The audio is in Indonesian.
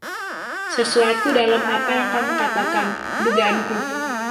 Sesuatu dalam apa yang kamu katakan, dugaanku.